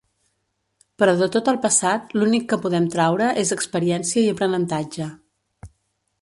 Però de tot el passat l’únic que podem traure és experiència i aprenentatge.